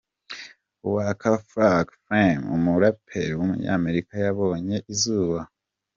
Waka Flocka Flame, umuraperi w’umunyamerika yabonye izuba.